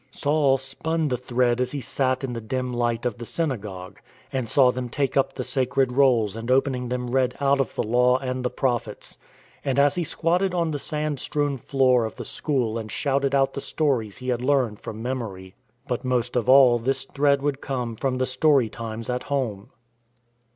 Saul spun the thread as he sat in the dim light of the synagogue, and saw them take up the sacred rolls and opening them read out ofl the Law and the Prophets ; and as he squatted on the sand strewn floor of the school and shouted out the stories he had learned from memory. But most of all this thread would come from the story times at home.